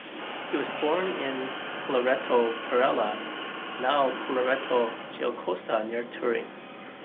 He was born in Colleretto Parella, now Colleretto Giacosa, near Turin.